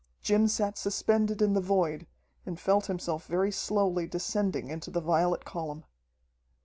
Jim sat suspended in the void, and felt himself very slowly descending into the violet column.